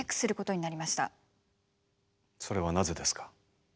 それはなぜですか？